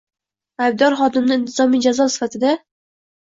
aybdor xodimni intizomiy jazo sifatida